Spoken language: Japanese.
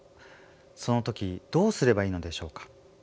その時どうすればいいのでしょうか。